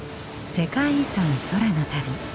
「世界遺産空の旅」。